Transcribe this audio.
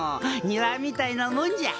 庭みたいなもんじゃ。